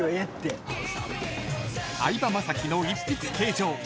［相葉雅紀の一筆啓上］